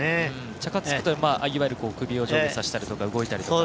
チャカつくというのは首を上下させたりとか動いたりとか。